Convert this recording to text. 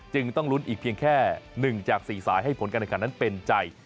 ต้องลุ้นอีกเพียงแค่๑จาก๔สายให้ผลการแข่งขันนั้นเป็นใจ